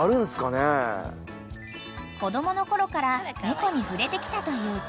［子供のころから猫に触れてきたという狩野］